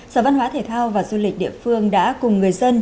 sở văn hóa thể thao và du lịch địa phương đã cùng người dân